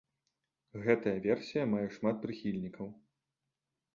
Гэтая версія мае шмат прыхільнікаў.